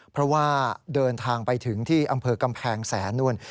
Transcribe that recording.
เพราะว่าเดินทางไปถึงที่อำเภอกำแพงแสนนู่น